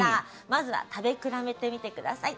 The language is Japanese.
まずは食べ比べてみて下さい。